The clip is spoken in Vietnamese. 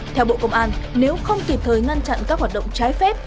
theo bộ công an nếu không kịp thời ngăn chặn các hoạt động trái phép